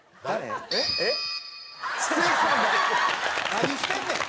「何してんねん！」